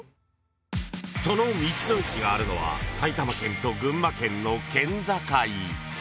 ［その道の駅があるのは埼玉県と群馬県の県境］